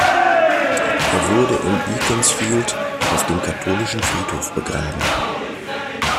Er wurde in Beaconsfield auf dem katholischen Friedhof begraben.